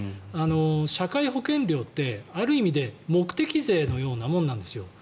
社会保険料ってある意味で目的税のようなものなんです。